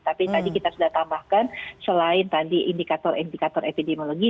tapi tadi kita sudah tambahkan selain tadi indikator indikator epidemiologi